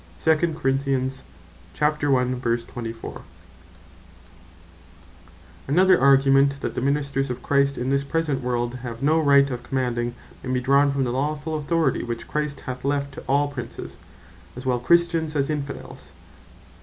From The Authority Christ Hath Left To Civill Princes Another Argument, that the Ministers of Christ in this present world have no right of Commanding, may be drawn from the lawfull Authority which Christ hath left to all Princes, as well Christians, as Infidels.